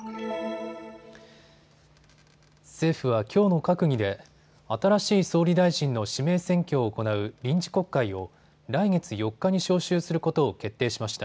政府はきょうの閣議で新しい総理大臣の指名選挙を行う臨時国会を来月４日に召集することを決定しました。